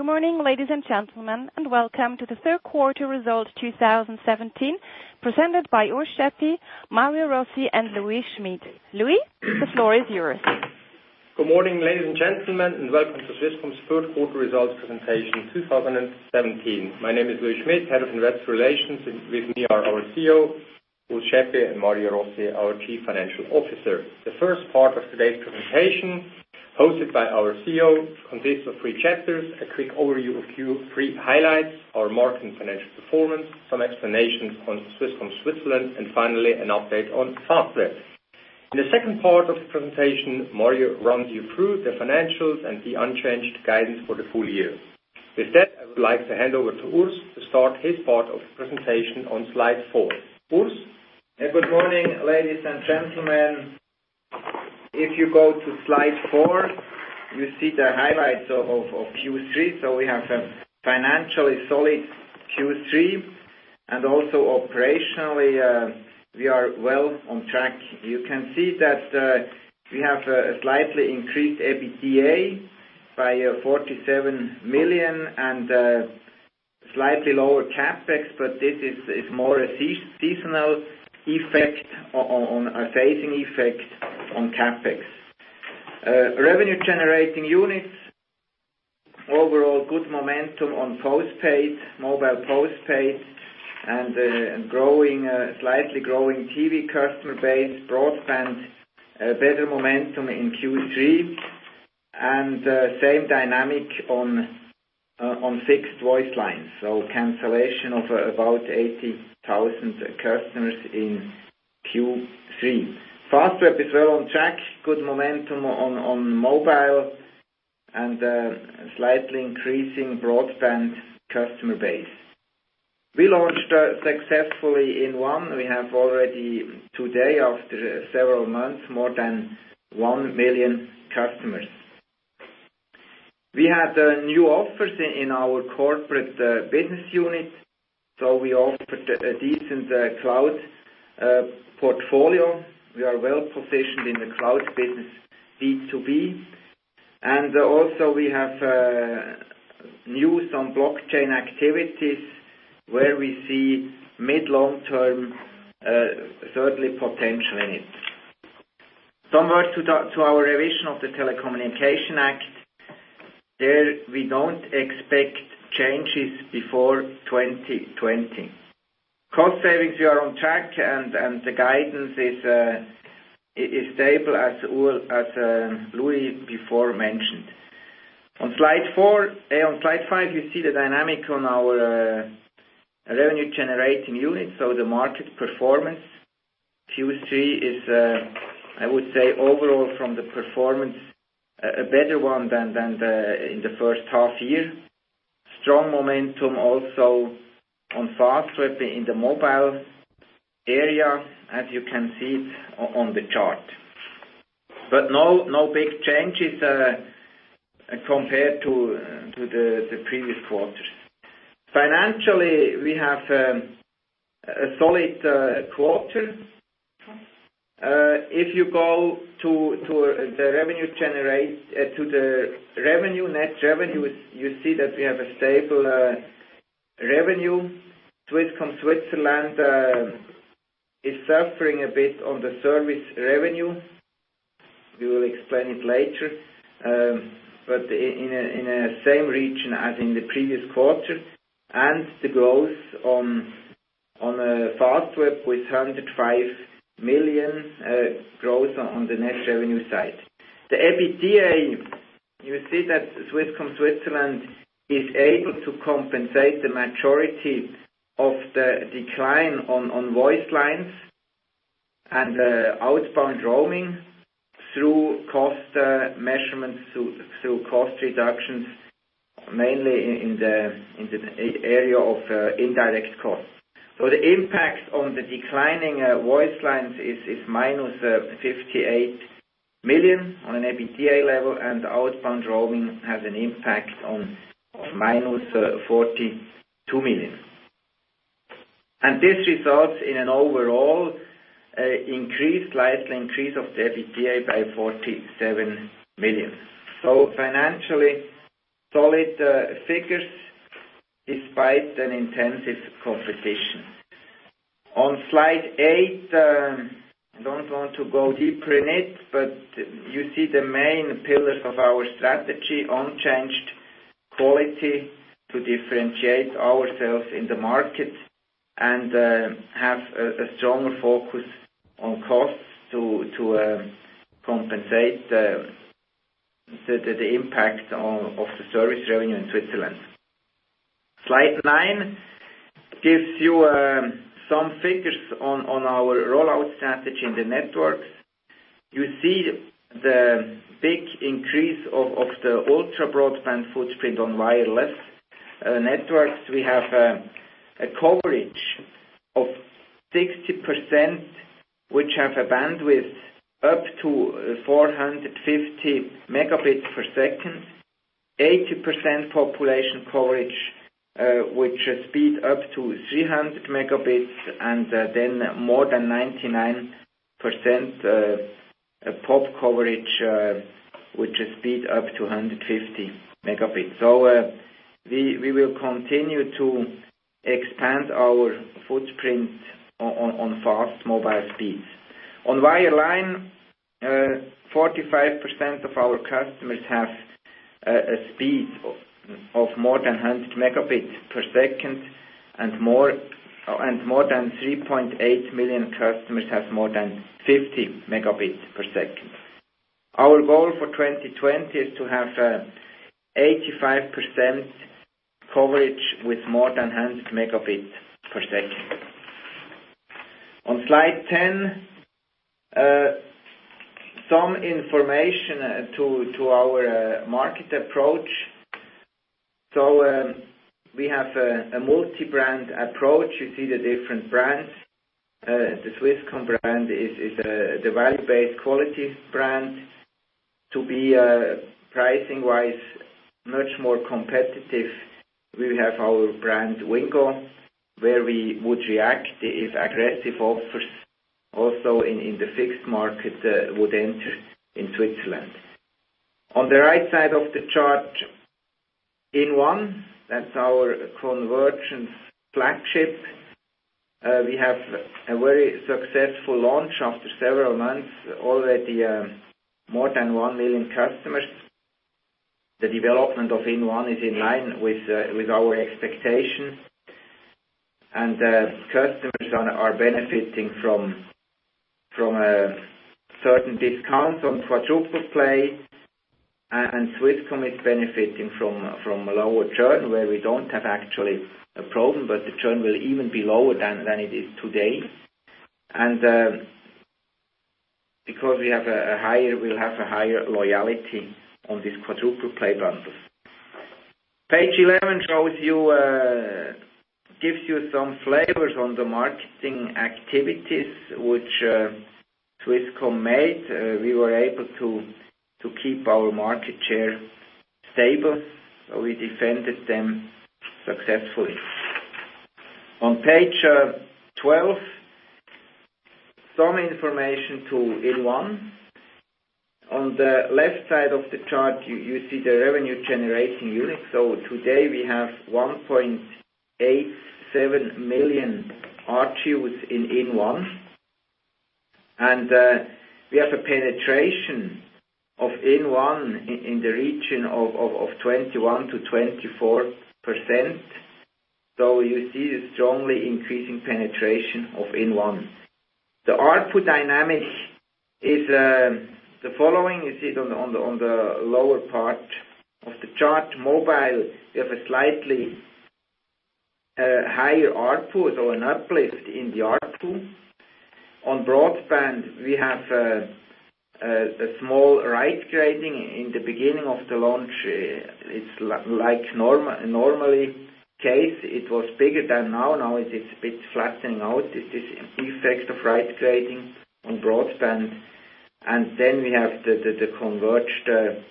Good morning, ladies and gentlemen, and welcome to the third quarter results 2017, presented by Urs Schaeppi, Mario Rossi, and Louis Schmid. Louis, the floor is yours. Good morning, ladies and gentlemen, and welcome to Swisscom's third quarter results presentation 2017. My name is Louis Schmid, head of investor relations. With me are our CEO, Urs Schaeppi, and Mario Rossi, our Chief Financial Officer. The first part of today's presentation, hosted by our CEO, consists of three chapters: a quick overview of Q3 highlights, our market and financial performance, some explanations on Swisscom Switzerland, and finally, an update on Fastweb. In the second part of the presentation, Mario runs you through the financials and the unchanged guidance for the full year. With that, I would like to hand over to Urs to start his part of the presentation on slide four. Urs? Good morning, ladies and gentlemen. If you go to slide four, you see the highlights of Q3. We have a financially solid Q3, and also operationally, we are well on track. You can see that we have a slightly increased EBITDA by 47 million and slightly lower CapEx, but this is more a seasonal effect, a phasing effect on CapEx. Revenue-generating units. Overall good momentum on mobile postpaid and slightly growing TV customer base. Broadband, better momentum in Q3, and same dynamic on fixed voice lines. Cancellation of about 80,000 customers in Q3. Fastweb is well on track. Good momentum on mobile and slightly increasing broadband customer base. We launched successfully inOne. We have already today, after several months, more than 1 million customers. We have the new offers in our corporate business unit. We offer a decent cloud portfolio. We are well-positioned in the cloud business B2B. Also we have news on blockchain activities where we see mid long-term certainly potential in it. Some words to our revision of the Telecommunications Act. There, we don't expect changes before 2020. Cost savings, we are on track, and the guidance is stable as Louis before mentioned. On slide five, you see the dynamic on our revenue-generating units. The market performance. Q3 is, I would say, overall from the performance, a better one than in the first half year. Strong momentum also on Fastweb in the mobile area, as you can see it on the chart. No big changes compared to the previous quarters. Financially, we have a solid quarter. If you go to the net revenue, you see that we have a stable revenue. Swisscom Switzerland is suffering a bit on the service revenue. We will explain it later. In the same region as in the previous quarter. The growth on Fastweb with 105 million growth on the net revenue side. The EBITDA, you see that Swisscom Switzerland is able to compensate the majority of the decline on voice lines and outbound roaming through cost measurements, through cost reductions, mainly in the area of indirect costs. The impact on the declining voice lines is -58 million on an EBITDA level, and outbound roaming has an impact of -42 million. This results in an overall slight increase of the EBITDA by 47 million. Financially solid figures despite an intensive competition. On slide 8, I don't want to go deeper in it, but you see the main pillars of our strategy. Unchanged quality to differentiate ourselves in the market, have a stronger focus on costs to compensate the impact of the service revenue in Switzerland. Slide 9 gives you some figures on our rollout strategy in the networks. You see the big increase of the ultra-broadband footprint on wireless networks. We have a coverage of 60%, which have a bandwidth up to 450 Mbps. 80% population coverage with speed up to 300 Mbps, more than 99% pop coverage, which speed up to 150 Mbps. We will continue to expand our footprint on fast mobile speeds. On wireline, 45% of our customers have a speed of more than 100 Mbps, and more than 3.8 million customers have more than 50 Mbps. Our goal for 2020 is to have 85% coverage with more than 100 Mbps. On slide 10, some information to our market approach. We have a multi-brand approach. You see the different brands. The Swisscom brand is the value-based quality brand. To be pricing-wise much more competitive, we have our brand, Wingo, where we would react if aggressive offers also in the fixed market would enter in Switzerland. On the right side of the chart, inOne, that's our convergence flagship. We have a very successful launch after several months. Already more than 1 million customers. The development of inOne is in line with our expectations. Customers are benefiting from a certain discount on quadruple play, and Swisscom is benefiting from lower churn where we don't have actually a problem, but the churn will even be lower than it is today. Because we'll have a higher loyalty on this quadruple play bundle. Page 11 gives you some flavors on the marketing activities which Swisscom made. We were able to keep our market share stable. We defended them successfully. On page 12, some information to inOne. On the left side of the chart, you see the revenue-generating units. Today we have 1.87 million ARPUs inOne. We have a penetration of inOne in the region of 21% to 24%. You see the strongly increasing penetration of inOne. The ARPU dynamic is the following. You see it on the lower part of the chart. Mobile, we have a slightly higher ARPU, an uplift in the ARPU. On broadband, we have a small rate degrading in the beginning of the launch. It's like normal case. It was bigger than now. Now it's a bit flattening out. It is an effect of rate degrading on broadband. We have the converged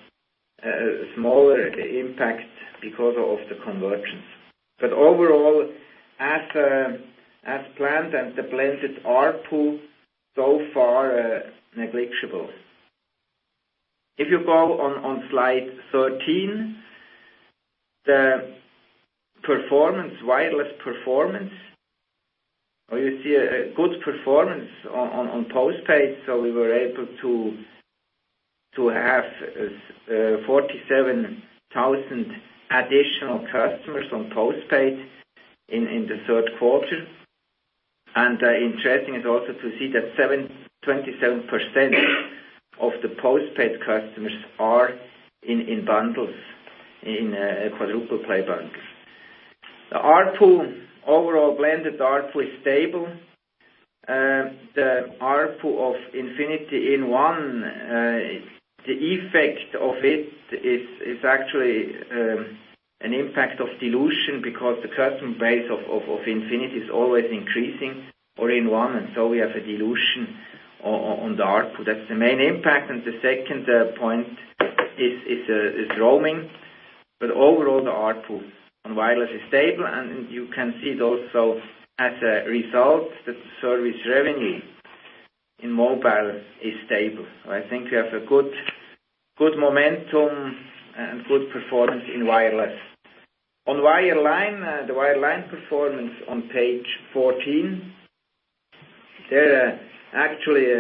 smaller impact because of the convergence. Overall, as planned and the blended ARPU so far negligible. On slide 13, the wireless performance. You see a good performance on postpaid. We were able to have 47,000 additional customers on postpaid in the third quarter. Interesting is also to see that 27% of the postpaid customers are in bundles, in quadruple play bundles. The ARPU, overall blended ARPU is stable. The ARPU of Infinity inOne, the effect of it is actually an impact of dilution because the customer base of Infinity is always increasing or inOne, and so we have a dilution on the ARPU. That is the main impact. The second point is roaming. Overall, the ARPU on wireless is stable, you can see it also as a result that the service revenue in mobile is stable. I think we have a good momentum and good performance in wireless. On wireline, the wireline performance on page 14. They are actually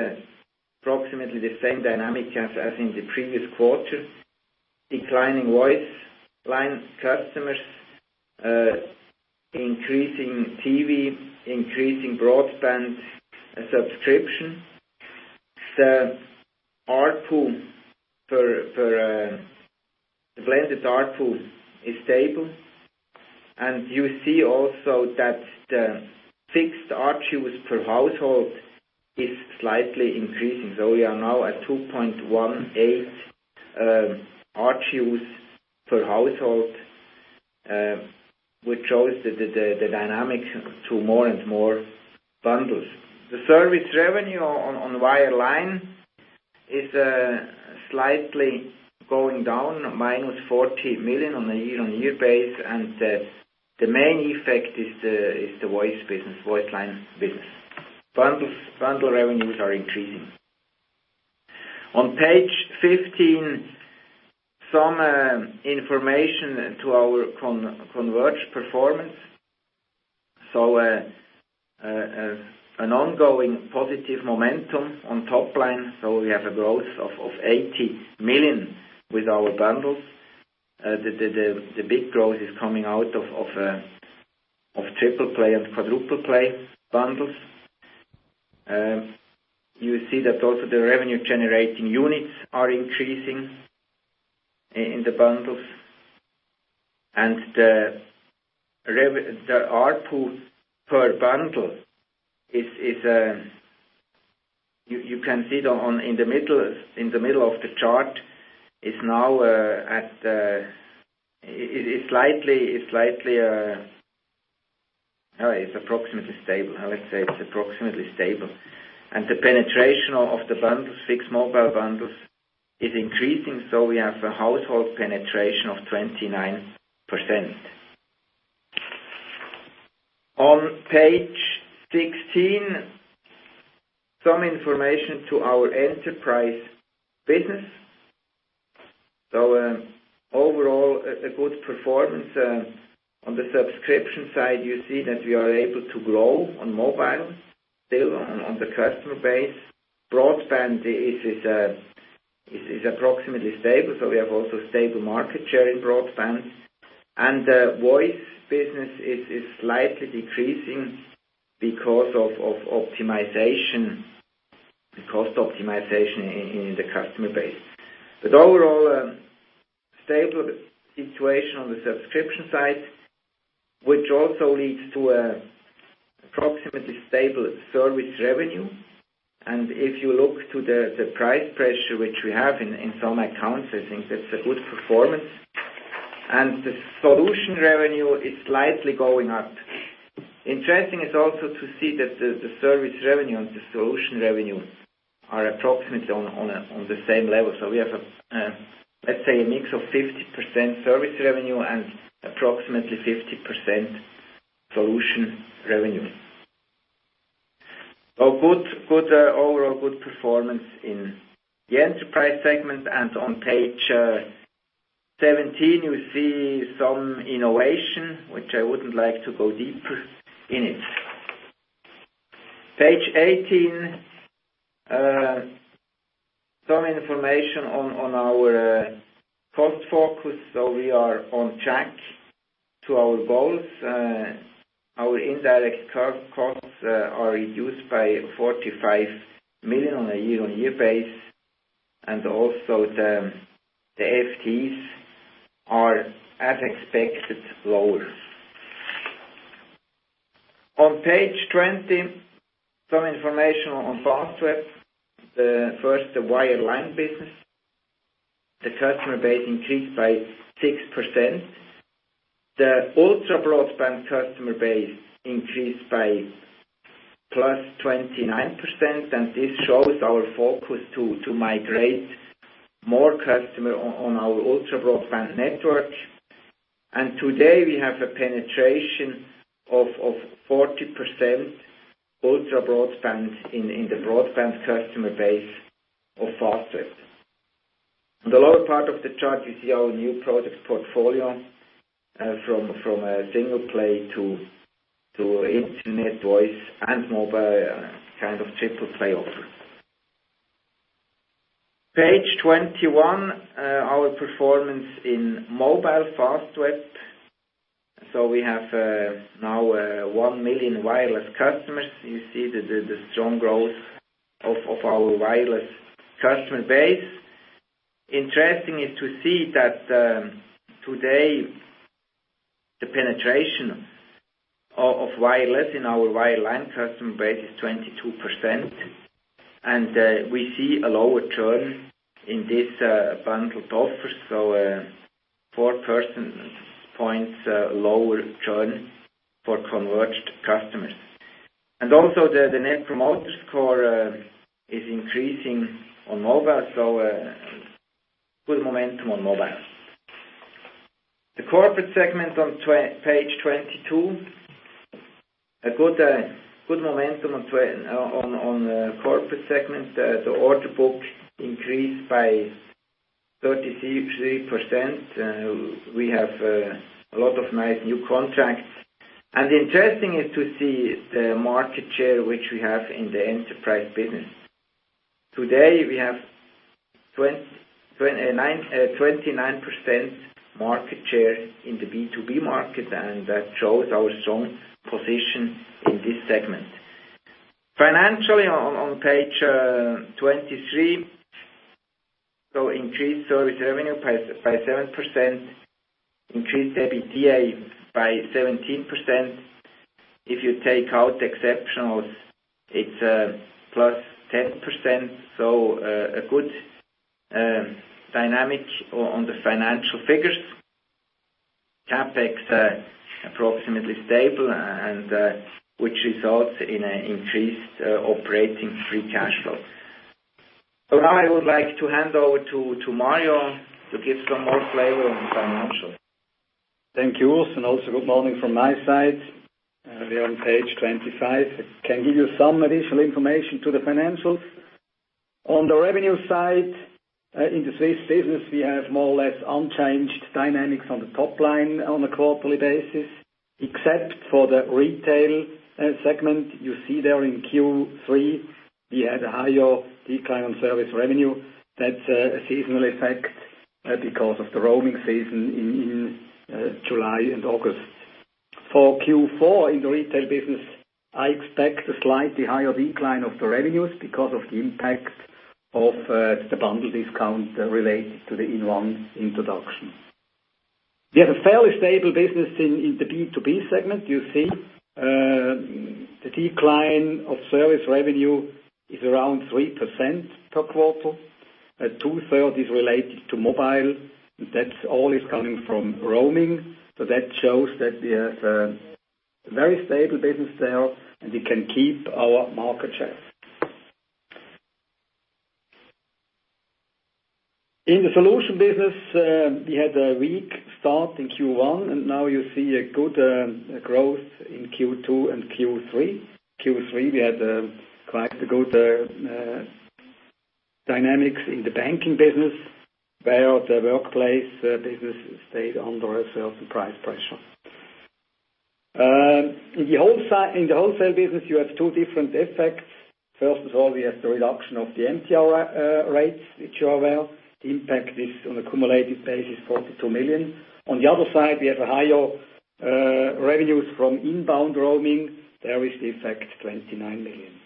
approximately the same dynamic as in the previous quarter. Declining voice line customers, increasing TV, increasing broadband subscription. The blended ARPU is stable. You see also that the fixed ARPU per household is slightly increasing. We are now at 2.18 ARPU per household, which shows the dynamics to more and more bundles. The service revenue on wireline is slightly going down, minus 40 million on a year-on-year base, the main effect is the voice line business. Bundle revenues are increasing. On page 15, some information to our converged performance. An ongoing positive momentum on top line. We have a growth of 80 million with our bundles. The big growth is coming out of triple play and quadruple play bundles. You see that also the revenue-generating units are increasing in the bundles. The ARPU per bundle, you can see in the middle of the chart, it is approximately stable. The penetration of the fixed mobile bundles is increasing, we have a household penetration of 29%. On page 16, some information to our enterprise business. Overall, a good performance. On the subscription side, you see that we are able to grow on mobile still on the customer base. Broadband is approximately stable, we have also stable market share in broadband. The voice business is slightly decreasing because of cost optimization in the customer base. Overall, a stable situation on the subscription side, which also leads to approximately stable service revenue. If you look to the price pressure which we have in some accounts, I think that is a good performance. The solution revenue is slightly going up. Interesting is also to see that the service revenue and the solution revenue are approximately on the same level. We have, let's say, a mix of 50% service revenue and approximately 50% solution revenue. Overall, good performance in the enterprise segment. On page 17, you see some innovation, which I wouldn't like to go deeper in it. Page 18, some information on our cost focus. We are on track to our goals. Our indirect costs are reduced by 45 million on a year-on-year base, also the FTEs are as expected, lower. On page 20, some information on Fastweb. First, the wireline business. The customer base increased by 6%. The ultra broadband customer base increased by +29%, and this shows our focus to migrate more customer on our ultra broadband network. Today we have a penetration of 40% ultra broadband in the broadband customer base of Fastweb. On the lower part of the chart, you see our new product portfolio from a single play to internet, voice, and mobile, kind of triple play offer. page 21, our performance in mobile Fastweb. We have now 1 million wireless customers. You see the strong growth of our wireless customer base. Interesting is to see that today the penetration of wireless in our wireline customer base is 22%, and we see a lower churn in this bundled offer. So 4 percentage points lower churn for converged customers. Also the Net Promoter Score is increasing on mobile, so good momentum on mobile. The corporate segment on page 22. A good momentum on the corporate segment. The order book increased by 33%. We have a lot of nice new contracts. Interesting is to see the market share which we have in the enterprise business. Today, we have 29% market share in the B2B market, and that shows our strong position in this segment. Financially on page 23. Increased service revenue by 7%, increased EBITDA by 17%. If you take out exceptionals, it's +10%. So a good dynamic on the financial figures. CapEx approximately stable, which results in an increased operating free cash flow. Now I would like to hand over to Mario to give some more flavor on financials. Thank you, Urs, and also good morning from my side. We are on page 25. I can give you some additional information to the financials. On the revenue side, in the Swiss business, we have more or less unchanged dynamics on the top line on a quarterly basis, except for the retail segment. You see there in Q3, we had a higher decline on service revenue. That's a seasonal effect because of the roaming season in July and August. For Q4 in the retail business, I expect a slightly higher decline of the revenues because of the impact of the bundle discount related to the inOne introduction. We have a fairly stable business in the B2B segment. You see the decline of service revenue is around 3% per quarter. Two-thirds is related to mobile. That all is coming from roaming. That shows that we have a very stable business there, and we can keep our market share. In the solution business, we had a weak start in Q1, and now you see a good growth in Q2 and Q3. Q3, we had quite good dynamics in the banking business, where the workplace business stayed under a certain price pressure. In the wholesale business, you have two different effects. First of all, we have the reduction of the MTR rates, which you are aware. Impact is on a cumulative basis, 42 million. On the other side, we have higher revenues from inbound roaming. There is the effect, 29 million.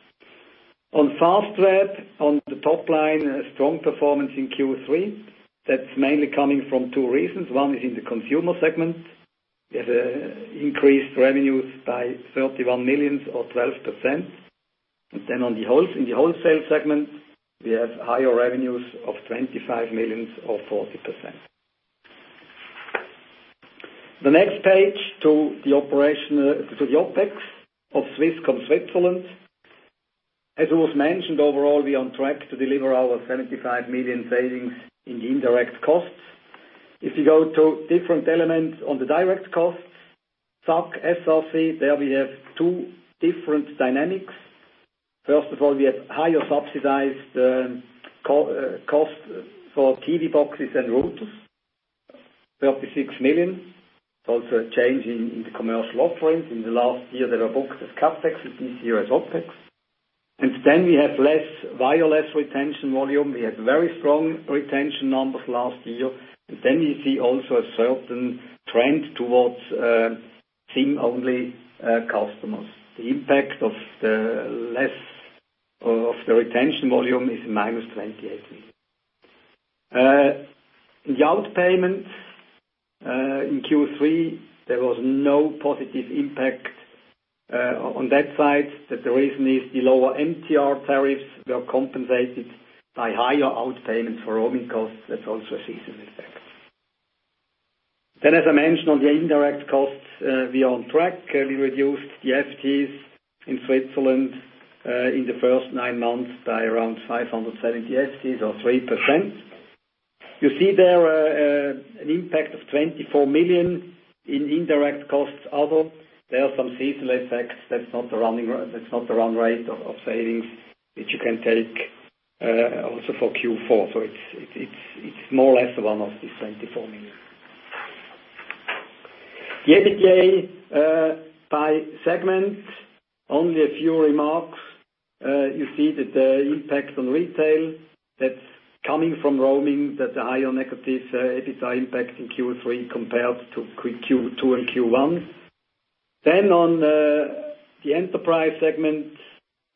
On Fastweb, on the top line, a strong performance in Q3. That's mainly coming from two reasons. One is in the consumer segment. We have increased revenues by 31 million or 12%. In the wholesale segment, we have higher revenues of 25 million or 40%. The next page to the OpEx of Swisscom Switzerland. As it was mentioned, overall, we are on track to deliver our 75 million savings in the indirect costs. If you go to different elements on the direct costs, SAC, SRC, there we have two different dynamics. First of all, we have higher subsidized cost for TV boxes and routers, 36 million. Also a change in the commercial offering. In the last year, they were booked as CapEx. This year as OpEx. We have via less retention volume. We had very strong retention numbers last year. You see also a certain trend towards SIM-only customers. The impact of the retention volume is minus 28 million. In the outpayment in Q3, there was no positive impact on that side. That the reason is the lower MTR tariffs were compensated by higher outpayments for roaming costs. That's also a seasonal effect. As I mentioned, on the indirect costs, we are on track. We reduced the FTEs in Switzerland in the first nine months by around 570 FTEs or 3%. You see there an impact of 24 million in indirect costs. There are some seasonal effects. That's not the run rate of savings, which you can take also for Q4. It's more or less one of this 24 million. The EBITDA by segment, only a few remarks. You see that the impact on retail that's coming from roaming, that the higher negative EBITDA impact in Q3 compared to Q2 and Q1. On the enterprise segment,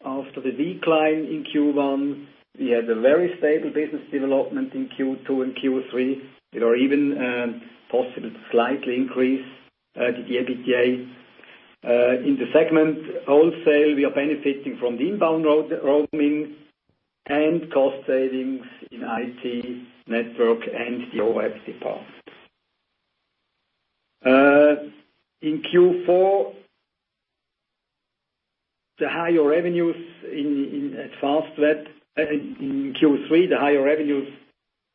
after the decline in Q1, we had a very stable business development in Q2 and Q3. It was even possible to slightly increase the EBITDA. In the segment wholesale, we are benefiting from the inbound roaming and cost savings in IT, network, and the OpEx department. In Q3, the higher revenues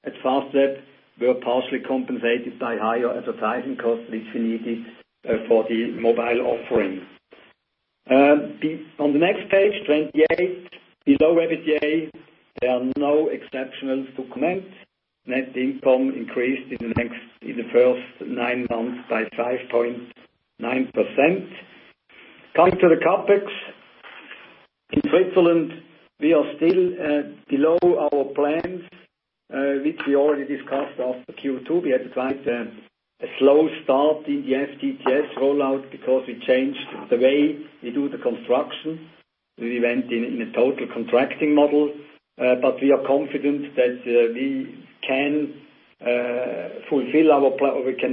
at Fastweb were partially compensated by higher advertising costs, which we needed for the mobile offering. On the next page, 28. Below EBITDA, there are no exceptionals to comment. Net income increased in the first nine months by 5.9%. Coming to the CapEx. In Switzerland, we are still below our plans, which we already discussed after Q2. We had quite a slow start in the FTTH rollout because we changed the way we do the construction. We went in a total contracting model. We are confident that we can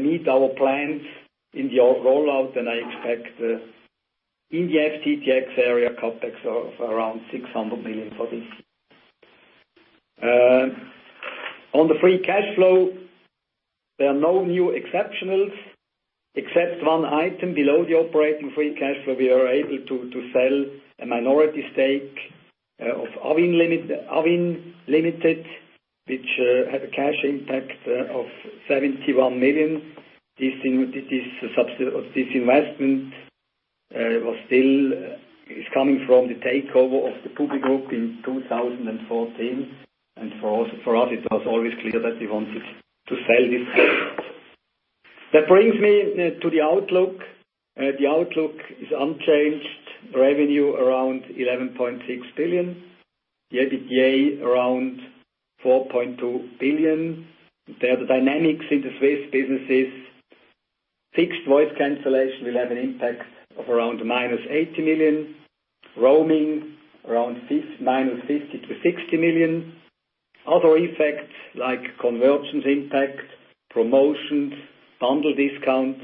meet our plans in the rollout, and I expect in the FTTH area CapEx of around 600 million for this year. On the free cash flow, there are no new exceptionals except one item below the operating free cash flow. We are able to sell a minority stake of Awin Limited, which had a cash impact of 71 million. This investment is coming from the takeover of the PubliGroupe in 2014. For us, it was always clear that we wanted to sell this. That brings me to the outlook. The outlook is unchanged: revenue around 11.6 billion, the EBITDA around 4.2 billion. There are the dynamics in the Swiss businesses. Fixed voice cancellation will have an impact of around -80 million, roaming around -50 million to 60 million. Other effects like convergence impact, promotions, bundle discounts,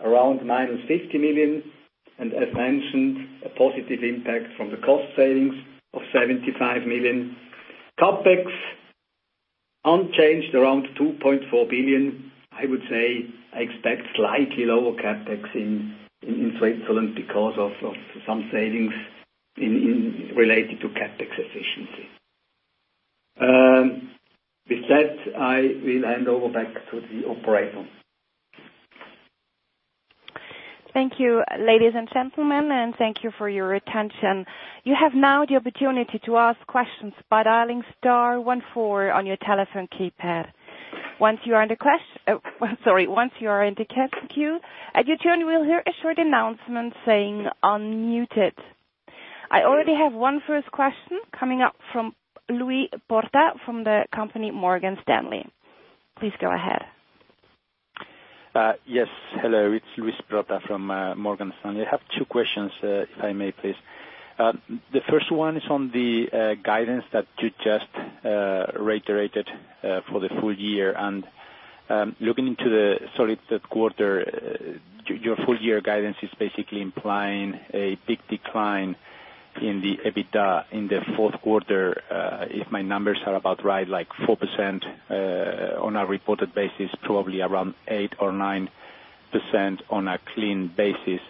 around -50 million and as mentioned, a positive impact from the cost savings of 75 million. CapEx unchanged around 2.4 billion. I would say I expect slightly lower CapEx in Switzerland because of some savings related to CapEx efficiency. With that, I will hand over back to the operator. Thank you, ladies and gentlemen, and thank you for your attention. You have now the opportunity to ask questions by dialing star 14 on your telephone keypad. Once you are in the queue, at your turn, you will hear a short announcement saying, "Unmuted." I already have one first question coming up from Louis Porta from the company Morgan Stanley. Please go ahead. Yes. Hello. It's Louis Porta from Morgan Stanley. I have two questions, if I may, please. The first one is on the guidance that you just reiterated for the full year. Looking into the third quarter, your full-year guidance is basically implying a big decline in the EBITDA in the fourth quarter. If my numbers are about right, like 4% on a reported basis, probably around 8% or 9% on a clean basis,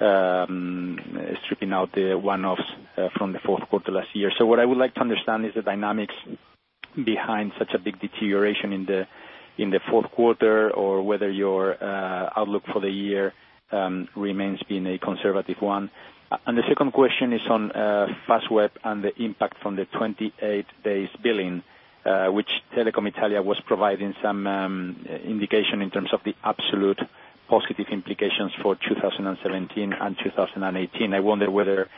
stripping out the one-offs from the fourth quarter last year. What I would like to understand is the dynamics behind such a big deterioration in the fourth quarter, or whether your outlook for the year remains being a conservative one. The second question is on Fastweb and the impact from the 28 days billing, which Telecom Italia was providing some indication in terms of the absolute positive implications for 2017 and 2018. I wonder whether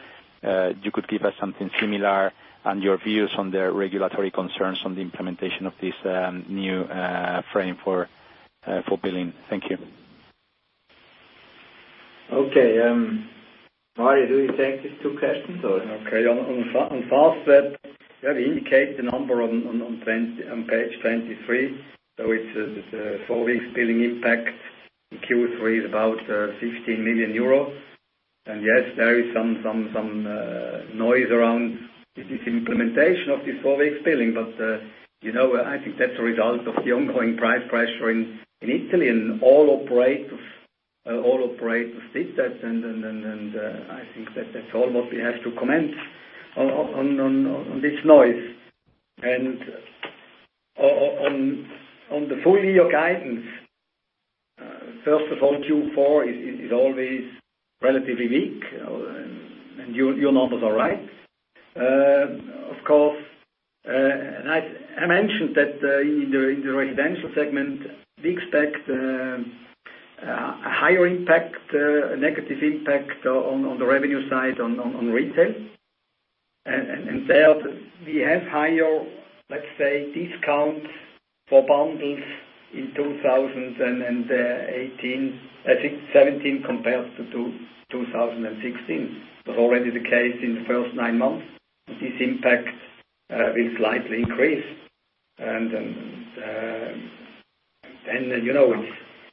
you could give us something similar and your views on the regulatory concerns on the implementation of this new frame for billing. Thank you. Mario, do you take these two questions? On Fastweb, we indicate the number on page 23. It's a four-week billing impact. Q3 is about 15 million euros. Yes, there is some noise around this implementation of this four-week billing. I think that's a result of the ongoing price pressure in Italy, and all operators did that, and I think that's all what we have to comment on this noise. On the full year guidance. First of all, Q4 is always relatively weak. Your numbers are right. Of course, I mentioned that in the residential segment, we expect a higher impact, a negative impact on the revenue side on retail. Third, we have higher, let's say, discounts for bundles in 2018, I think 2017 compared to 2016. It was already the case in the first nine months. This impact is slightly increased.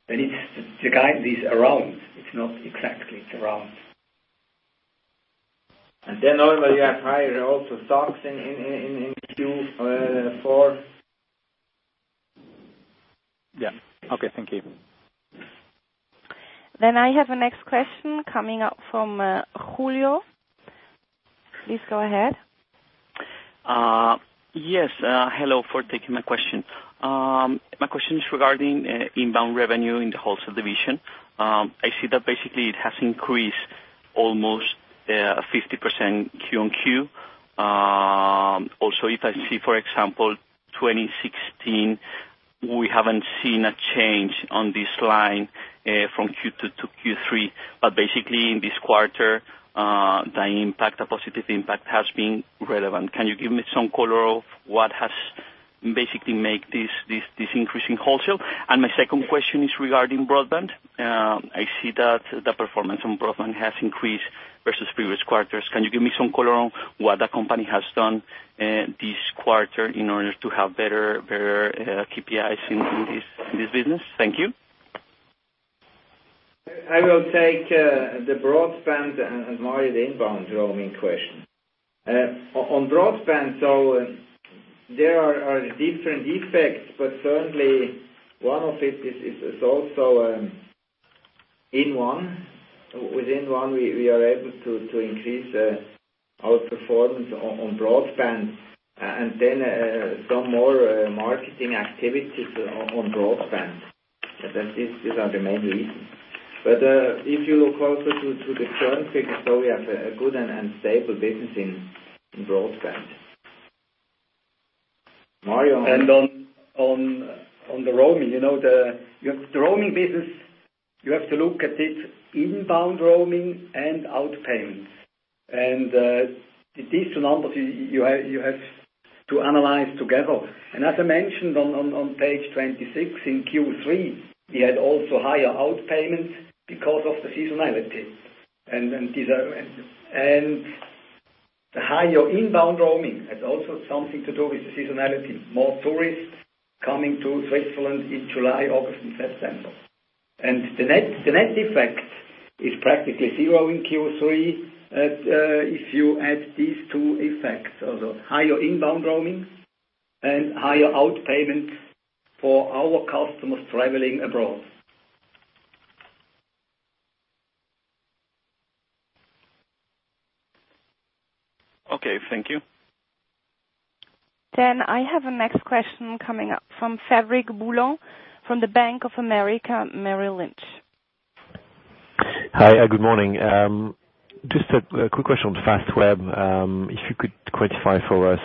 We need to guide these around. It's not exactly, it's around. Normally you have higher also stocks in Q4. Yeah. Okay. Thank you. I have the next question coming up from Julio. Please go ahead. Yes. Hello for taking my question. My question is regarding inbound revenue in the wholesale division. I see that basically it has increased almost 50% Q on Q. Also, if I see, for example, 2016, we haven't seen a change on this line from Q2 to Q3. Basically in this quarter, the positive impact has been relevant. Can you give me some color of what has basically make this increase in wholesale? My second question is regarding broadband. I see that the performance on broadband has increased versus previous quarters. Can you give me some color on what the company has done this quarter in order to have better KPIs in this business? Thank you. I will take the broadband and Mario, the inbound roaming question. On broadband, there are different effects, but certainly one of it is also inOne. InOne, we are able to increase our performance on broadband some more marketing activities on broadband. These are the main reasons. If you look also to the current figures, we have a good and stable business in broadband. Mario? On the roaming. The roaming business, you have to look at it inbound roaming and out payments. These two numbers you have to analyze together. As I mentioned on page 26, in Q3, we had also higher out payments because of the seasonality. The higher inbound roaming has also something to do with the seasonality. More tourists coming to Switzerland in July, August and September. The net effect is practically zero in Q3 if you add these two effects. Higher inbound roamings and higher out payments for our customers traveling abroad. Okay. Thank you. I have a next question coming up from Fabrice Boulo from the Bank of America Merrill Lynch. Hi. Good morning. Just a quick question on Fastweb. If you could quantify for us,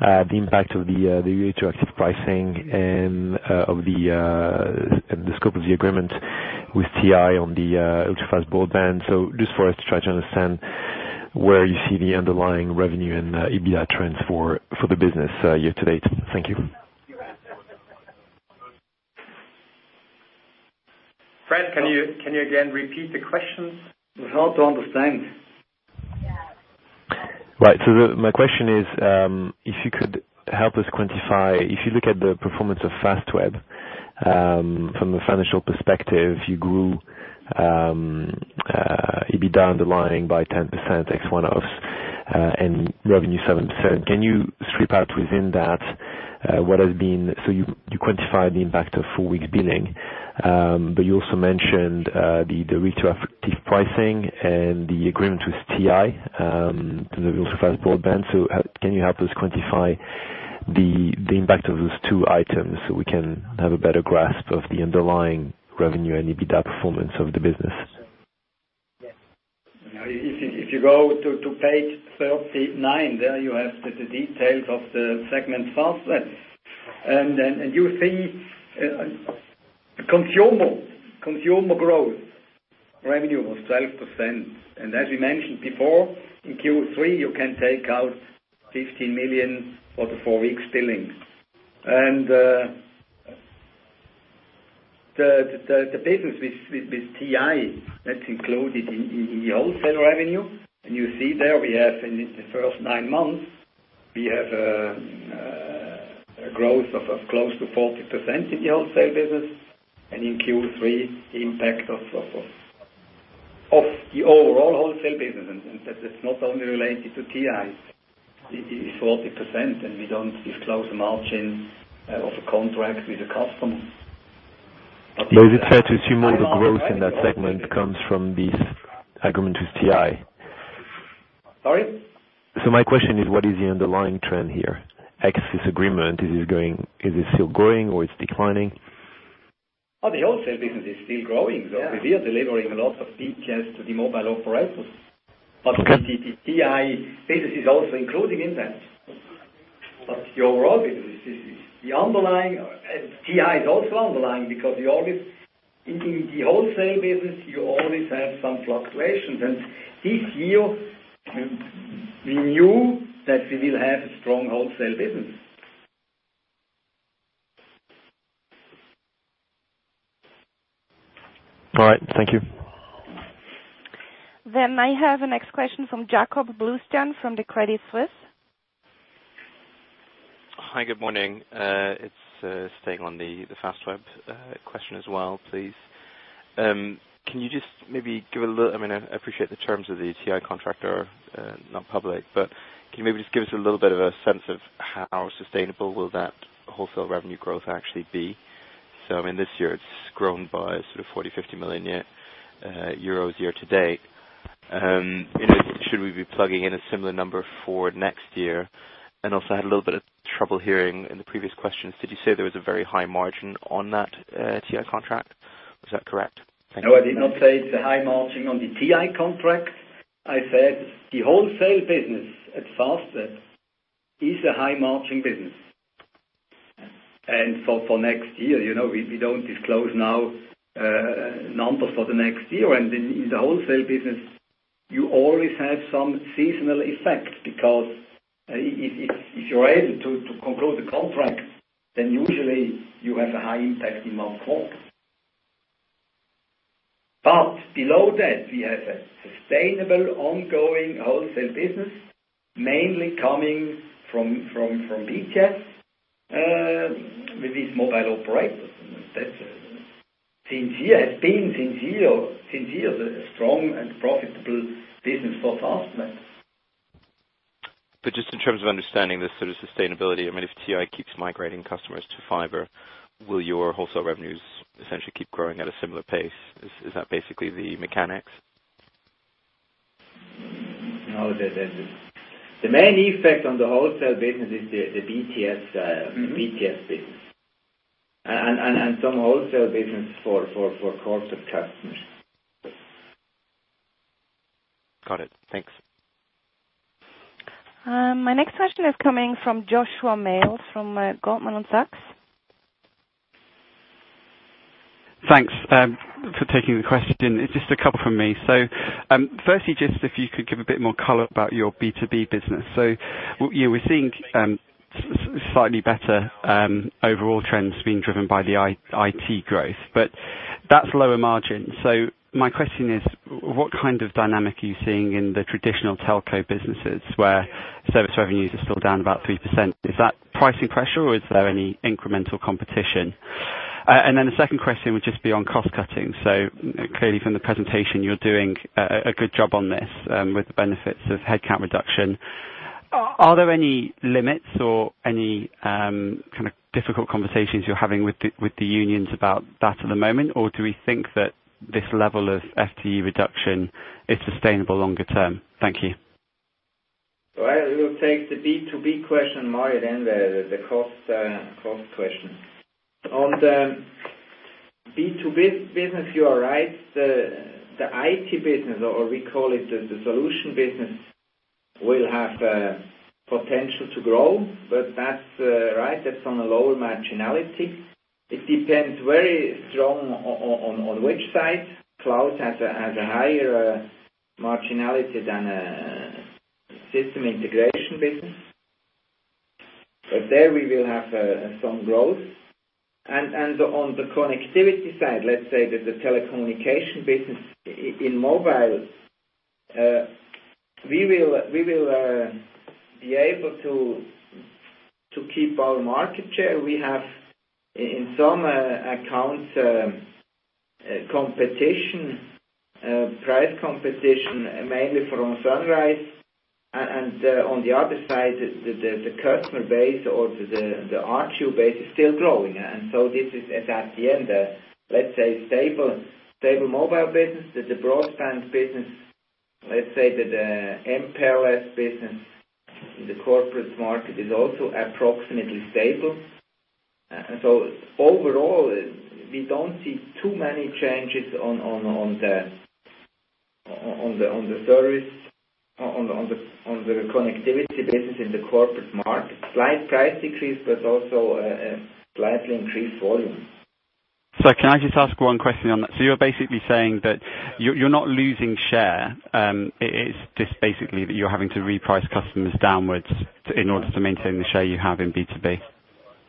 the impact of the retroactive pricing and of the scope of the agreement with TI on the ultrafast broadband. Just for us to try to understand where you see the underlying revenue and EBITDA trends for the business year to date. Thank you. Fabrice, can you again repeat the question? It is hard to understand. My question is, if you could help us quantify, if you look at the performance of Fastweb, from a financial perspective, you grew EBITDA underlying by 10% ex one-offs, and revenue 7%. Can you strip out within that, what has been You quantify the impact of four-week billing, but you also mentioned, the retroactive pricing and the agreement with TI, the ultrafast broadband. Can you help us quantify the impact of those two items so we can have a better grasp of the underlying revenue and EBITDA performance of the business? You go to page 39, there you have the details of the segment Fastweb. You see consumer growth revenue was 12%. As we mentioned before, in Q3, you can take out 15 million for the four-week billings. The business with TI, that's included in the wholesale revenue. You see there, we have in the first nine months, we have a growth of close to 40% in the wholesale business. In Q3, the impact of the overall wholesale business, and that is not only related to TI, is 40%, and we don't disclose the margin of a contract with a customer. Is it fair to assume all the growth in that segment comes from this agreement with TI? Sorry? My question is, what is the underlying trend here? Ex this agreement, is it still growing or it's declining? The wholesale business is still growing. We are delivering a lot of BTS to the mobile operators. The TI business is also included in that. The overall business is the underlying. TI is also underlying because in the wholesale business, you always have some fluctuations. This year, we knew that we will have a strong wholesale business. All right. Thank you. I have the next question from Jakob Bluestone, from the Credit Suisse. Hi. Good morning. It's staying on the Fastweb question as well, please. I appreciate the terms of the TI contract are not public, can you maybe just give us a little bit of a sense of how sustainable will that wholesale revenue growth actually be? This year it's grown by sort of 40 million-50 million euros year-to-date. Should we be plugging in a similar number for next year? Also, I had a little bit of trouble hearing in the previous questions. Did you say there was a very high margin on that TI contract? Was that correct? Thank you. No, I did not say it's a high margin on the TI contract. I said the wholesale business at Fastweb is a high margin business. For next year, we don't disclose now numbers for the next year. In the wholesale business, you always have some seasonal effect, because if you're able to conclude the contract, then usually you have a high impact in month one. Below that, we have a sustainable ongoing wholesale business, mainly coming from BTS. With these mobile operators. That has been since year a strong and profitable business for Fastweb. Just in terms of understanding this sort of sustainability, if TI keeps migrating customers to fiber, will your wholesale revenues essentially keep growing at a similar pace? Is that basically the mechanics? No. The main effect on the wholesale business is the BTS business and some wholesale business for corporate customers. Got it. Thanks. My next question is coming from Joshua Mills from Goldman Sachs. Thanks for taking the question. It's just a couple from me. Firstly, just if you could give a bit more color about your B2B business. We're seeing slightly better overall trends being driven by the IT growth, but that's lower margin. My question is, what kind of dynamic are you seeing in the traditional telco businesses where service revenues are still down about 3%? Is that pricing pressure, or is there any incremental competition? The second question would just be on cost cutting. Clearly from the presentation, you're doing a good job on this with the benefits of headcount reduction. Are there any limits or any kind of difficult conversations you're having with the unions about that at the moment, or do we think that this level of FTE reduction is sustainable longer term? Thank you. I will take the B2B question more than the cost question. On the B2B business, you are right. The IT business, or we call it the solution business, will have potential to grow, but that's right. That's on a lower marginality. It depends very strong on which side. Cloud has a higher marginality than a system integration business. There we will have some growth. On the connectivity side, let's say that the telecommunication business in mobile, we will be able to keep our market share. We have, in some accounts, price competition, mainly from Sunrise. On the other side, the customer base or the R2 base is still growing. This is at the end, let's say, stable mobile business. The broadband business, let's say that the MPLS business in the corporate market is also approximately stable. Overall, we don't see too many changes on the connectivity business in the corporate market. Slight price decrease, also a slightly increased volume. Can I just ask one question on that? You're basically saying that you're not losing share. It's just basically that you're having to reprice customers downwards in order to maintain the share you have in B2B.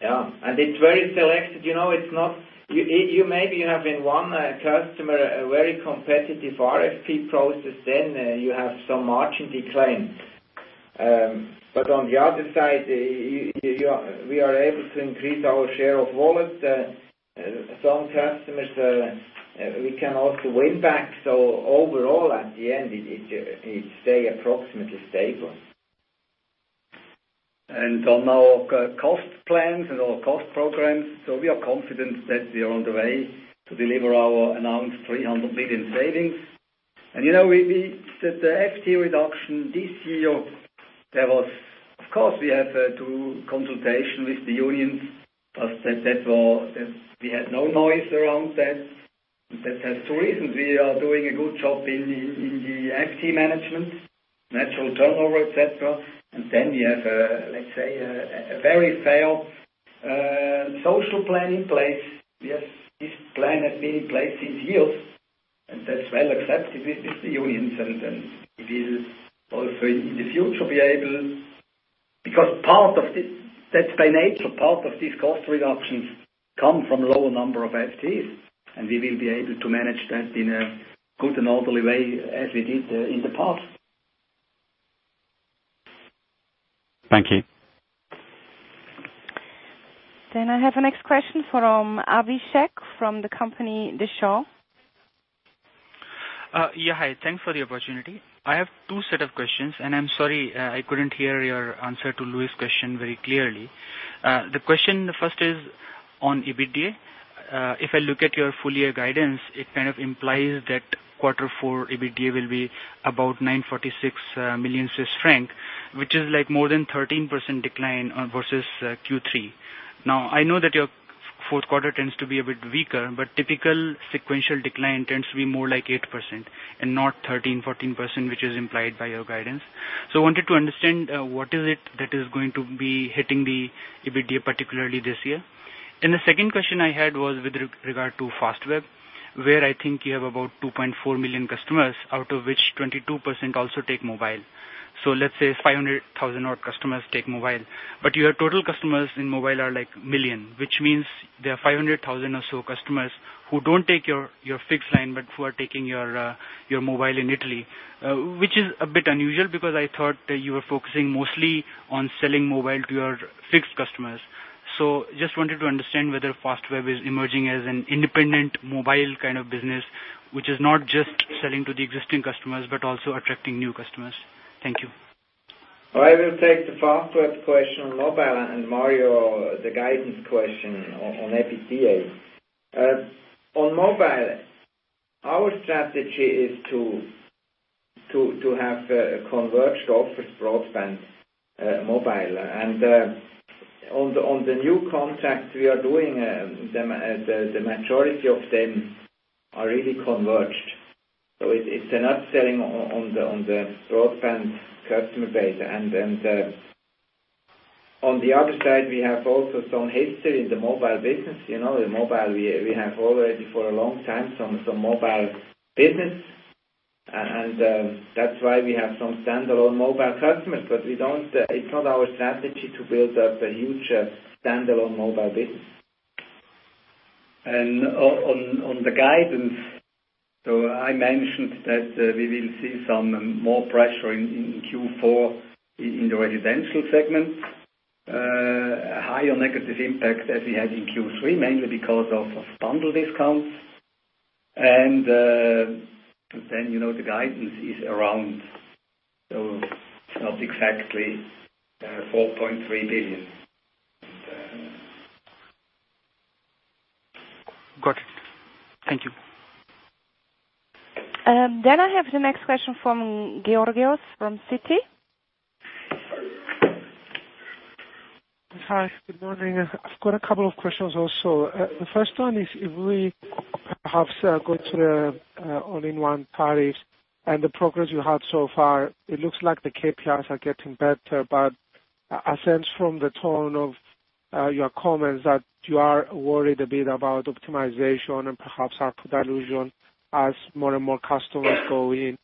Yeah. It's very selected. Maybe you have in one customer a very competitive RFP process, you have some margin decline. On the other side, we are able to increase our share of wallet. Some customers, we can also win back. Overall, at the end, it stay approximately stable. On our cost plans and our cost programs, we are confident that we are on the way to deliver our announced 300 million savings. The FTE reduction this year, of course, we have to consultation with the unions. We had no noise around that. That has two reasons. We are doing a good job in the FTE management, natural turnover, et cetera. We have, let's say, a very fair social plan in place. This plan has been in place since years, and that's well accepted with the unions. We will also in the future be able, because by nature, part of these cost reductions come from lower number of FTEs, and we will be able to manage that in a good and orderly way as we did in the past. Thank you. I have a next question from Abhishek from the company Redburn. Hi. Thanks for the opportunity. I have two set of questions, and I'm sorry I couldn't hear your answer to Louis' question very clearly. The question first is on EBITDA. If I look at your full year guidance, it kind of implies that quarter four EBITDA will be about 946 million Swiss franc, which is more than 13% decline versus Q3. I know that your fourth quarter tends to be a bit weaker, but typical sequential decline tends to be more like 8% and not 13%-14%, which is implied by your guidance. I wanted to understand what is it that is going to be hitting the EBITDA particularly this year. The second question I had was with regard to Fastweb, where I think you have about 2.4 million customers, out of which 22% also take mobile. Let's say 500,000 odd customers take mobile. Your total customers in mobile are million, which means there are 500,000 or so customers who don't take your fixed line, but who are taking your mobile in Italy, which is a bit unusual because I thought you were focusing mostly on selling mobile to your fixed customers. Just wanted to understand whether Fastweb is emerging as an independent mobile kind of business, which is not just selling to the existing customers, but also attracting new customers. Thank you. I will take the Fastweb question on mobile, and Mario, the guidance question on EBITDA. On mobile, our strategy is to have a converged office broadband mobile. On the new contract we are doing, the majority of them are really converged. It's an upselling on the broadband customer base. On the other side, we have also some history in the mobile business. In mobile, we have already for a long time some mobile business. That's why we have some standalone mobile customers. It's not our strategy to build up a huge standalone mobile business. On the guidance, I mentioned that we will see some more pressure in Q4 in the residential segment. Higher negative impact as we had in Q3, mainly because of bundle discounts. The guidance is around, it's not exactly CHF 4.3 billion. Got it. Thank you. I have the next question from Georgios from Citi. Hi. Good morning. I've got a couple of questions also. The first one is, if we perhaps go to the inOne tariff and the progress you had so far. It looks like the KPIs are getting better, but I sense from the tone of your comments that you are worried a bit about optimization and perhaps ARPU dilution as more and more customers go in.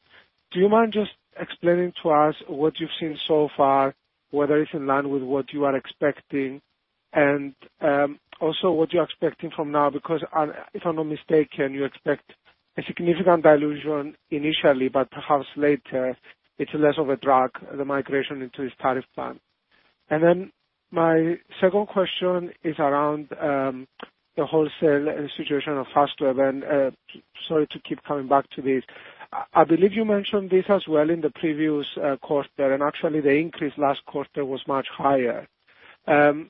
Do you mind just explaining to us what you've seen so far, whether it's in line with what you are expecting? Also what you're expecting from now, because if I'm not mistaken, you expect a significant dilution initially, but perhaps later it's less of a drag, the migration into this tariff plan. My second question is around the wholesale and situation of Fastweb. Sorry to keep coming back to this. I believe you mentioned this as well in the previous quarter, actually the increase last quarter was much higher. Do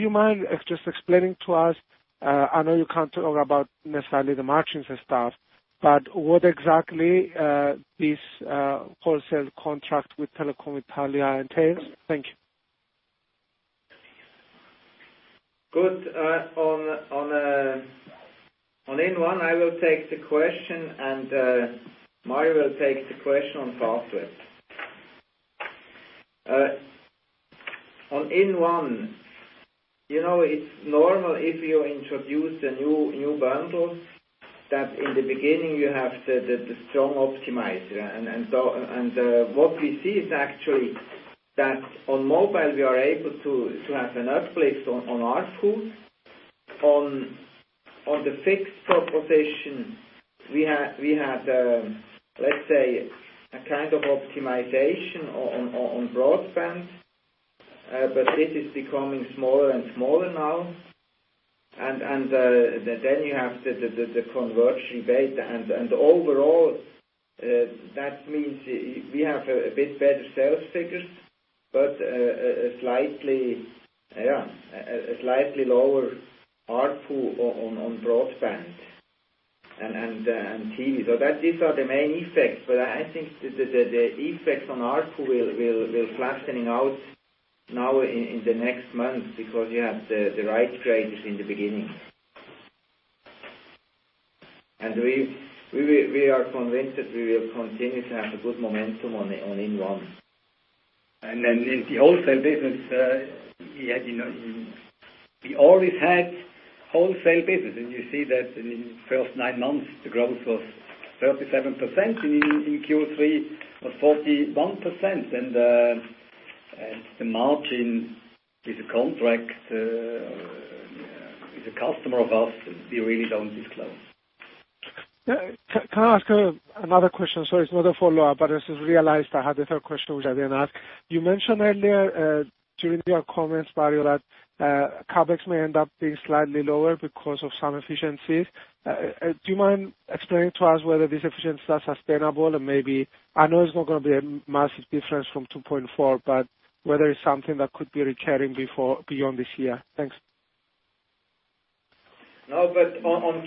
you mind just explaining to us, I know you can't talk about necessarily the margins and stuff, but what exactly this wholesale contract with Telecom Italia entails? Thank you. Good. On inOne, I will take the question, Mario will take the question on Fastweb. On inOne, it is normal if you introduce the new bundles, that in the beginning you have the strong optimizer. What we see is actually that on mobile, we are able to have an uplift on ARPU. On the fixed proposition we had, let's say, a kind of optimization on broadband, it is becoming smaller and smaller now. You have the conversion rate. Overall, that means we have a bit better sales figures, but a slightly lower ARPU on broadband and TV. These are the main effects, but I think the effects on ARPU will be flattening out now in the next months because you have the right changes in the beginning. We are convinced that we will continue to have a good momentum on inOne. In the wholesale business, we always had wholesale business. You see that in the first nine months the growth was 37%, in Q3 was 41%. The margin is a contract with a customer of ours, we really do not disclose. Can I ask another question? Sorry, it is not a follow-up, but I just realized I had a third question, which I did not ask. You mentioned earlier, during your comments, Mario, that CapEx may end up being slightly lower because of some efficiencies. Do you mind explaining to us whether these efficiencies are sustainable? I know it is not going to be a massive difference from 2.4, but whether it is something that could be recurring beyond this year. Thanks. On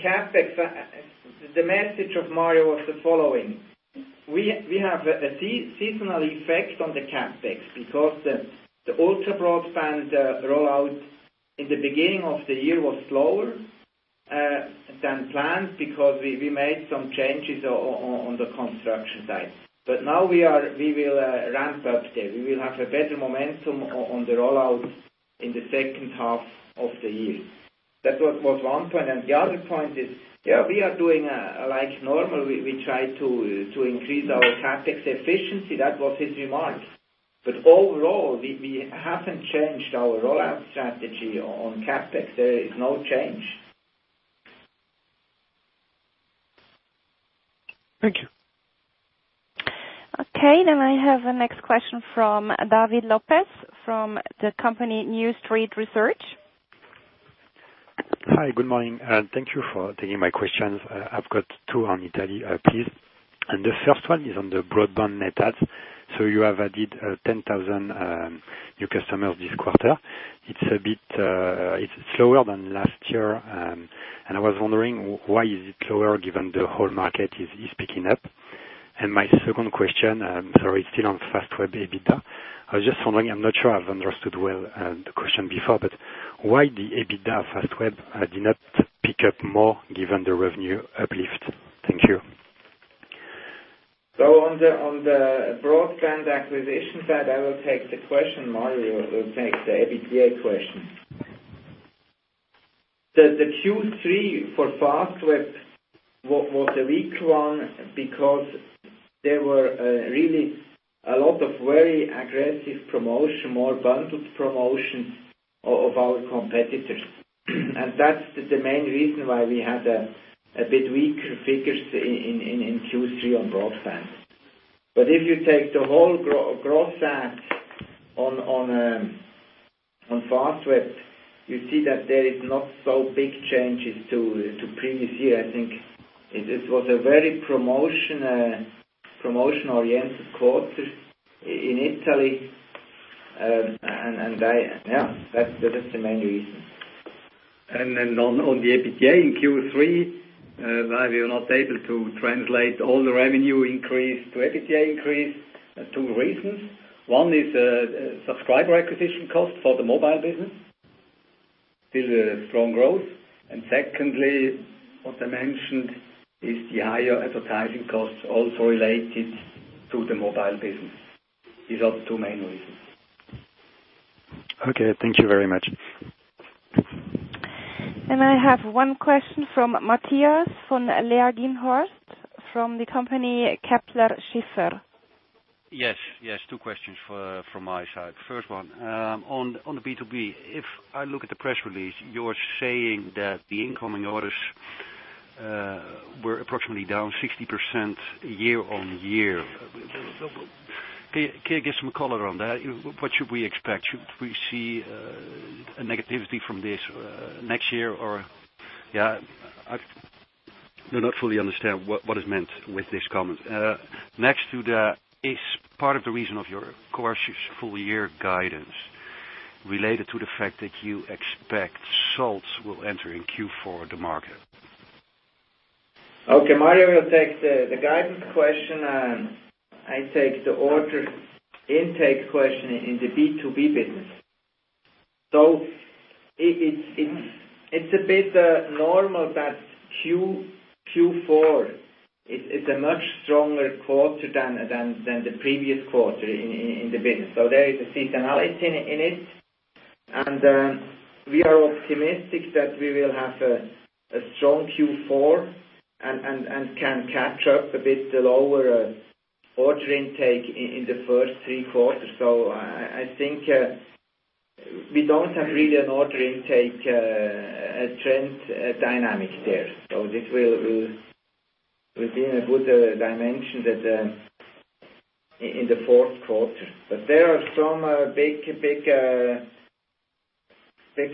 CapEx, the message of Mario was the following: we have a seasonal effect on the CapEx because the ultra broadband rollout in the beginning of the year was slower than planned because we made some changes on the construction site. Now we will ramp up there. We will have a better momentum on the rollout in the second half of the year. That was one point. The other point is, we are doing like normal. We try to increase our CapEx efficiency. That was his remark. Overall, we have not changed our rollout strategy on CapEx. There is no change. Thank you. Okay, I have the next question from David Lopez, from the company New Street Research. Hi. Good morning, and thank you for taking my questions. I've got two on Italy, please. The first one is on the broadband net adds. You have added 10,000 new customers this quarter. It's slower than last year, and I was wondering why is it slower given the whole market is picking up? My second question, sorry, still on Fastweb EBITDA. I was just wondering, I'm not sure I've understood well the question before, why the EBITDA of Fastweb did not pick up more given the revenue uplift? Thank you. On the broadband acquisition side, I will take the question. Mario will take the EBITDA question. The Q3 for Fastweb was a weak one because there were really a lot of very aggressive promotion, more bundled promotion of our competitors. That's the main reason why we had a bit weaker figures in Q3 on broadband. If you take the whole broadband on Fastweb, you see that there is not so big changes to previous year. I think it was a very promotion-oriented quarter in Italy. That is the main reason. On the EBITDA in Q3, we are not able to translate all the revenue increase to EBITDA increase. Two reasons. One is subscriber acquisition cost for the mobile business. Still a strong growth. Secondly, what I mentioned is the higher advertising costs also related to the mobile business. These are the two main reasons. Okay. Thank you very much. I have one question from Matthias von Leresche from the company Kepler Cheuvreux. Yes. Two questions from my side. First one, on the B2B, if I look at the press release, you're saying that the incoming orders were approximately down 60% year-on-year. Can you give some color on that? What should we expect? Should we see a negativity from this next year or I do not fully understand what is meant with this comment. Next to that, is part of the reason of your cautious full year guidance related to the fact that you expect Salt will enter in Q4 the market? Okay. Mario will take the guidance question, I take the order intake question in the B2B business. It's a bit normal that Q4 is a much stronger quarter than the previous quarter in the business. There is a seasonality in it, and we are optimistic that we will have a strong Q4 and can catch up a bit the lower order intake in the first three quarters. I think we don't have really an order intake trend dynamic there. This will be in a good dimension in the fourth quarter. There are some big,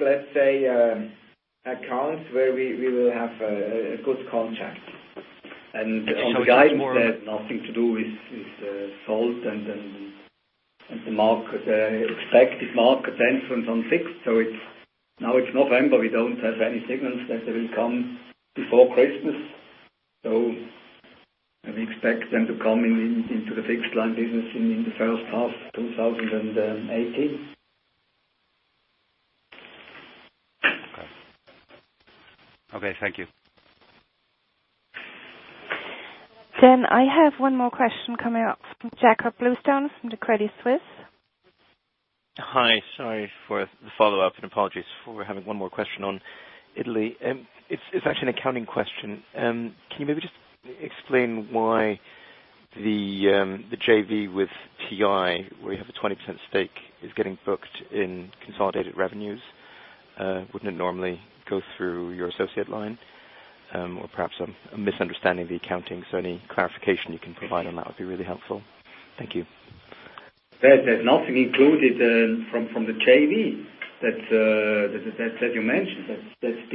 let's say, accounts where we will have a good contract. Can you tell us more- That nothing to do with Salt and the expected market entrance on 6th. Now it's November, we don't have any signals that they will come before Christmas. We expect them to come into the fixed line business in the first half 2018. Okay. Thank you. I have one more question coming up from Jakob Bluestone from the Credit Suisse. Hi. Sorry for the follow-up, and apologies for having one more question on Italy. It's actually an accounting question. Can you maybe just explain why the JV with TI, where you have a 20% stake, is getting booked in consolidated revenues? Wouldn't it normally go through your associate line? Or perhaps I'm misunderstanding the accounting, so any clarification you can provide on that would be really helpful. Thank you. There's nothing included from the JV that you mentioned. That's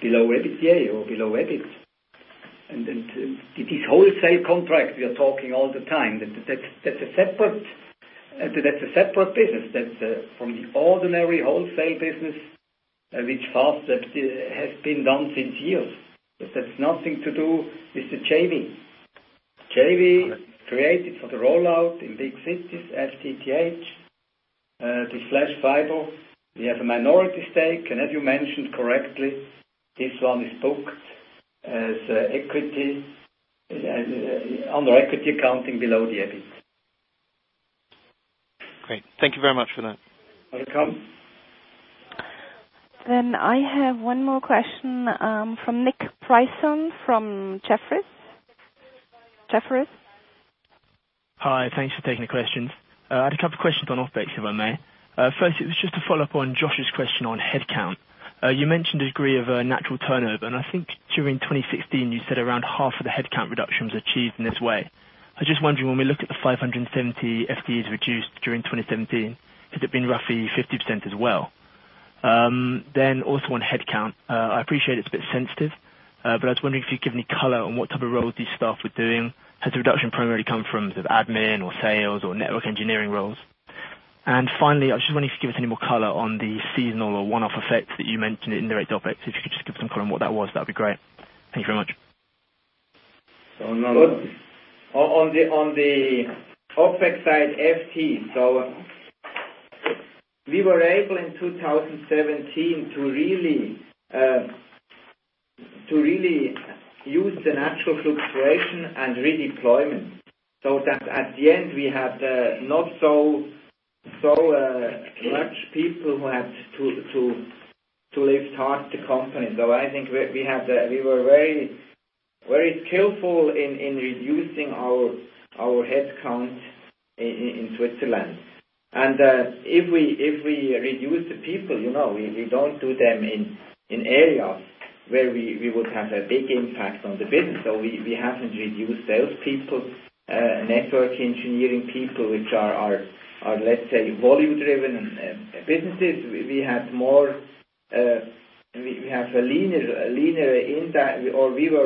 below EBITDA or below EBIT. It is wholesale contract we are talking all the time. That's a separate business. That's from the ordinary wholesale business, which Fastweb has been done since years. That's nothing to do with the JV. Okay created for the rollout in big cities, FTTH, the Flash Fiber. We have a minority stake, and as you mentioned correctly, this one is booked as equity, under equity accounting below the EBIT. Great. Thank you very much for that. Welcome. I have one more question, from Nick Delfas from Jefferies. Hi, thanks for taking the questions. I had a couple questions on OpEx, if I may. First, it was just to follow up on Josh's question on headcount. You mentioned a degree of natural turnover, and I think during 2016 you said around half of the headcount reduction was achieved in this way. I was just wondering, when we look at the 570 FTEs reduced during 2017, has it been roughly 50% as well? Also on headcount, I appreciate it's a bit sensitive, but I was wondering if you could give any color on what type of roles these staff were doing. Has the reduction primarily come from sort of admin or sales or network engineering roles? Finally, I just wondering if you could give us any more color on the seasonal or one-off effects that you mentioned in the run rate OpEx. If you could just give some color on what that was, that'd be great. Thank you very much. On the OpEx side FTE. We were able in 2017 to really use the natural fluctuation and redeployment, so that at the end we had not so much people who had to leave part the company. I think we were very careful in reducing our headcount in Switzerland. If we reduce the people, we don't do them in areas where we would have a big impact on the business. We haven't reduced salespeople, network engineering people, which are, let's say, volume driven businesses. We were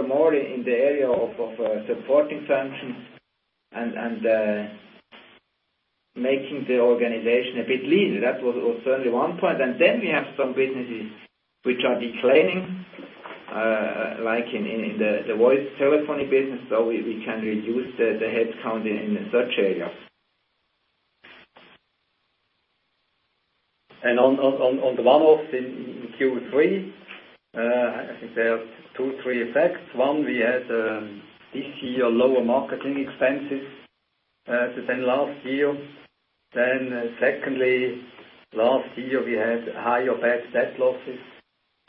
more in the area of supporting functions and making the organization a bit leaner. That was certainly one point. Then we have some businesses which are declining, like in the voice telephony business. We can reduce the headcount in such areas. On the one-off in Q3, I think there are two, three effects. One, we had this year lower marketing expenses than last year. Secondly, last year we had higher bad debt losses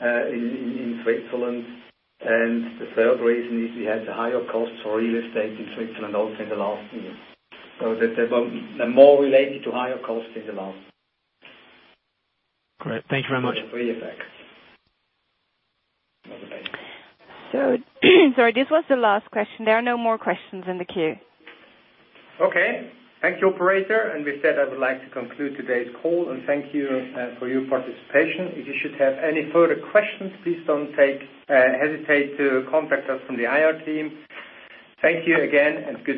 in Switzerland, and the third reason is we had higher costs for real estate in Switzerland also in the last year. They're more related to higher costs in the last. Great. Thank you very much. Three effects. Sorry, this was the last question. There are no more questions in the queue. Okay. Thank you, operator. With that, I would like to conclude today's call and thank you for your participation. If you should have any further questions, please don't hesitate to contact us from the IR team. Thank you again and goodbye.